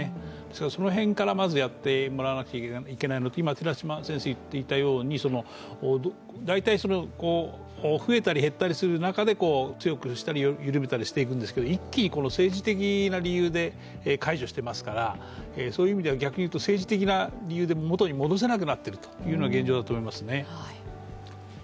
その辺からまずやってもらわなくちゃいけないのと、今、寺嶋先生が言っていたように、増えたり減ったりする中で強くしたり緩めたりしていくんですけど一気に政治的な理由で解除してますから、そういう意味では逆に言うと政治的な理由で元に戻せなくなっているというのが現状だと思うんですね。